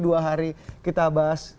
dua hari kita bahas